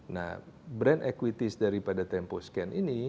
nah brand equities daripada temposcan ini